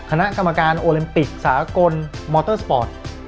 คณะกรรมการโอลิมปิกสากลมอเตอร์สปอร์ต